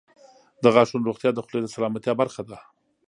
• د غاښونو روغتیا د خولې د سلامتیا برخه ده.